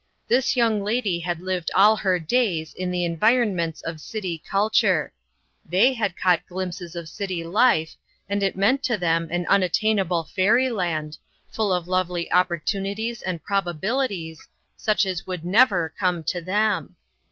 This young lady had lived all her days in the environments of city culture ; they had caught glimpses of city life, and it meant to them an unattainable fairy land, full of lovely opportunities and probabilities, such as would never come to them.